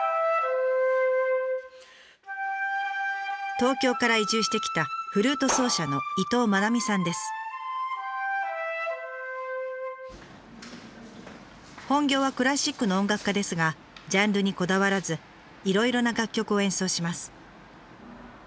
東京から移住してきたフルート奏者の本業はクラシックの音楽家ですがジャンルにこだわらずいろいろな楽曲を演奏します。